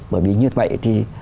bởi vì như vậy thì